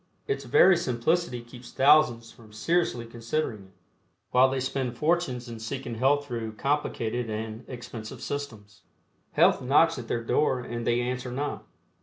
Its very simplicity keeps thousands from seriously considering it, while they spend fortunes in seeking health through complicated and expensive "systems." Health knocks at their door and they answer not.